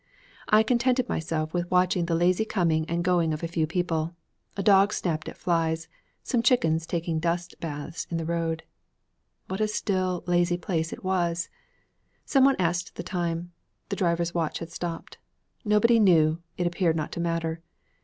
I contented myself with watching the lazy coming and going of a few people; a dog snapping at flies; some chickens taking dust baths in the road. What a still, lazy place it was! Some one asked the time. The driver's watch had stopped. Nobody knew; it appeared not to matter.